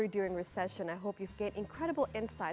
saya harap anda mendapatkan pengetahuan yang luar biasa